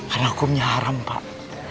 karena aku punya haram pak